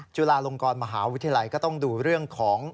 จุฬาลงกรมหาวิทยาลัยก็ต้องดูเรื่องของ